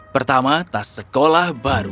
pertama tas sekolah baru